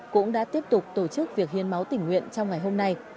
cũng đã tiếp tục tổ chức việc hiến máu tỉnh nguyện trong ngày hôm nay